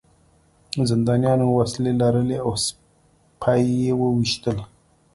زندانیانو وسلې لرلې او سپي یې وویشتل